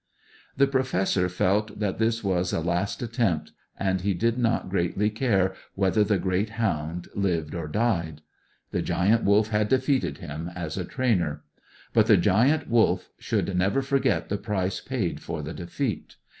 The Professor felt that this was a last attempt, and he did not greatly care whether the great hound lived or died. The Giant Wolf had defeated him as a trainer; but the Giant Wolf should never forget the price paid for the defeat.